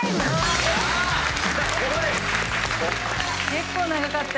結構長かったよね。